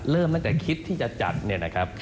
เริ่มจากคิดที่จะจัดเนี่ยนะครับ